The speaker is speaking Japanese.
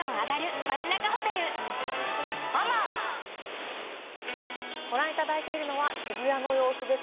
ニトリご覧いただいているのは渋谷の様子です。